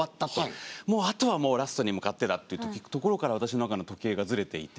もうあとはラストに向かってだっていうところから私の中の時計がずれていて。